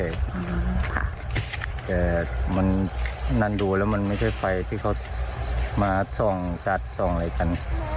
แต่มันนั่นดูแล้วมันไม่ใช่ไฟที่เขามาส่องสัตว์ส่องอะไรกัน